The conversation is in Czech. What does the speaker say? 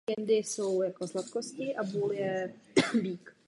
Chtěl bych paní zpravodajce Carvalhové poblahopřát k práci, kterou odvedla.